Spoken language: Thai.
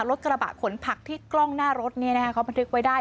รถกระบะขนผักที่กล้องหน้ารถเขาบันทึกไว้ได้